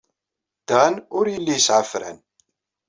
Dan ur yelli yesɛa afran.